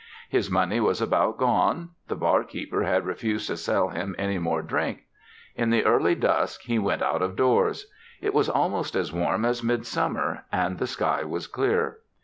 His money was about gone. The barkeeper had refused to sell him any more drink. In the early dusk he went out of doors. It was almost as warm as midsummer and the sky was clear.